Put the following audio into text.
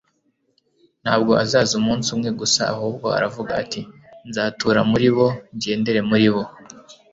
Ntabwo azaza umunsi umwe gusa, ahubwo aravuga ati: "nzatura muri bo ngendere muri bo....